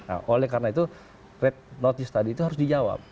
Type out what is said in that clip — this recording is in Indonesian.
nah oleh karena itu red notice tadi itu harus dijawab